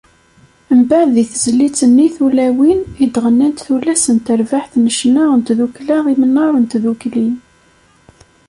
Mbeɛd, d tizlit-nni “Tulawin" i d-ɣennant tullas n terbaɛt n ccna n Tdukkla Imnar n Tdukli.